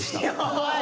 おい！